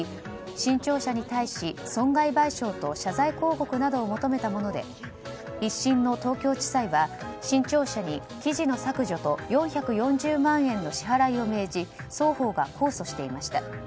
新潮社に対し損害賠償と謝罪広告などを求めたもので１審の東京地裁は、新潮社に記事の削除と４４０万円の支払いを命じ双方が控訴していました。